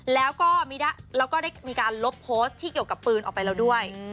แล้วก็ได้มีการลบโพสต์ที่เกี่ยวกับปืนออกไปแล้วด้วย